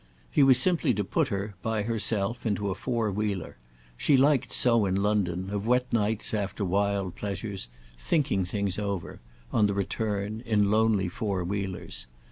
He was simply to put her, by herself, into a four wheeler; she liked so in London, of wet nights after wild pleasures, thinking things over, on the return, in lonely four wheelers.